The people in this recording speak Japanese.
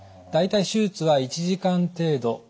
大体手術は１時間程度。